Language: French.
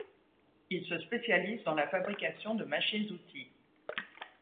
Il se spécialise dans la fabrication de machines-outils.